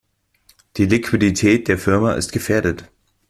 Die Liquidität der Firma ist gefährdet.